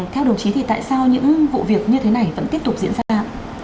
theo đồng chí thì tại sao những vụ việc như thế này vẫn tiếp tục diễn ra